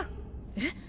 えっ！？